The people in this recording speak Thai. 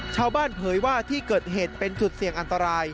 เผยว่าที่เกิดเหตุเป็นจุดเสี่ยงอันตราย